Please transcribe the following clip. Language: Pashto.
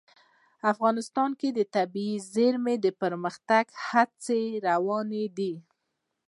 افغانستان کې د طبیعي زیرمې د پرمختګ هڅې روانې دي.